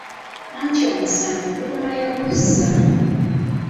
Anti omusango guluma yaguzza!